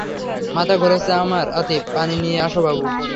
মাথা ঘুরাচ্ছে আমার আতিফ, পানি নিয়ে আস বাবু।